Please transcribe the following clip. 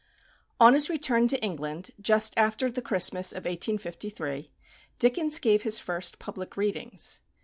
On his return to England, just after the Christmas of 1853, Dickens gave his first public readings.